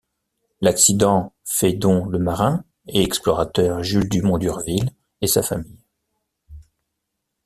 L'accident fait dont le marin et explorateur Jules Dumont d'Urville et sa famille.